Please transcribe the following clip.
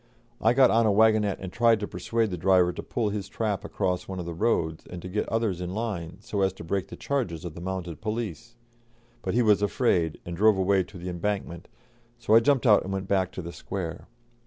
I got on a waggonette and tried to persuade the driver to pull his trap across one of the roads, and to get others in line, so as to break the charges of the mounted police; but he was afraid, and drove away to the Embankment, so I jumped out and went back to the Square.